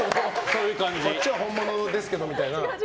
こっちは本物ですけどみたいな。